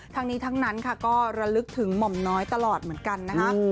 ทั้งนี้ทั้งนั้นค่ะก็ระลึกถึงหม่อมน้อยตลอดเหมือนกันนะคะ